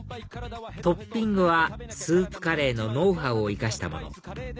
トッピングはスープカレーのノウハウを生かしたもの